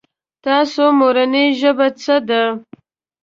تاسو مورنۍ ژبه څه ده ؟